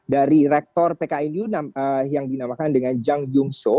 dari rektor pknu yang dinamakan dengan jang jung seo